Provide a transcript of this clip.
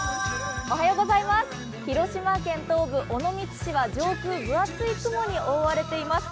広島県東部尾道市は上空、分厚い雲に覆われています。